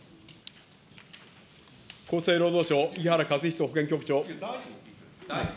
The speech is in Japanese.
厚生労働省、伊原和人保険局長。